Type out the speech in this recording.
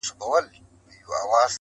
د اوښکو ټول څاڅکي دي ټول راټول کړه.